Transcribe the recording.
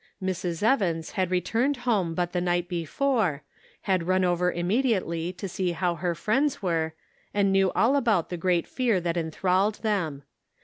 Mrs. Evans had returned home but the night before ; had run over immediately to see how her friends were, and knew all about the great fear that enthralled them.